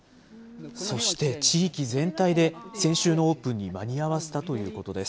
そして地域全体で先週のオープンに間に合わせたということです。